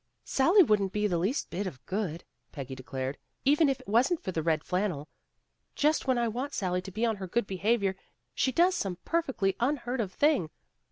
"Sally wouldn't be the least bit of good," Peggy declared, "even if it wasn't for the red flannel. Just when I want Sally to be on her good behavior, she does some perfectly un heard of thing.